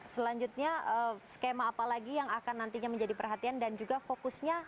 selanjutnya skema apa lagi yang akan nantinya menjadi perhatian dan juga fokusnya